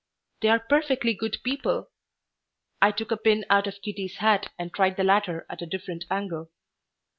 "They are perfectly good people." I took a pin out of Kitty's hat and tried the latter at a different angle.